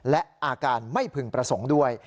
และอาการไม่พึงประสงค์ด้วย